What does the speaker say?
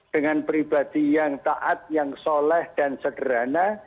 dengan pribadi yang taat yang soleh dan sederhana